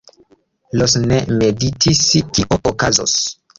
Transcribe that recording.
Ros ne meditis, kio okazos.